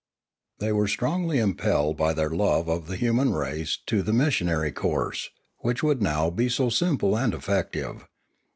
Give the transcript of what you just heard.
. They were strongly impelled by their love of the hu man race to the missionary course, which would now be so simple and eff ecti ve.